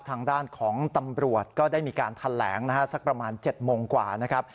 ทางด้านของตำรวจก็ได้มีการแถลงนะฮะสักประมาณ๗โมงกว่านะครับ